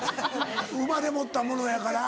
生まれ持ったものやから。